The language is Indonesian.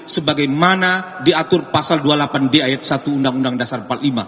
sebagaimana diatur pasal dua puluh delapan d ayat satu undang undang dasar empat puluh lima